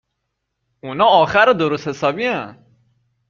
.اونا آخر درست حسابین